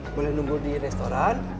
boleh nunggu di restoran